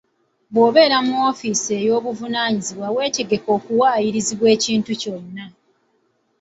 Bw'obeera mu woofiisi ey'obuyinza weetegeke okuwaayirizibwa ekintu kyonna.